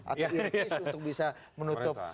atau earpiece untuk bisa menutup